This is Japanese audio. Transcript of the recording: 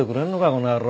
この野郎。